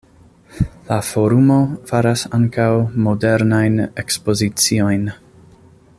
La forumo faras ankaŭ modernajn ekspoziciojn.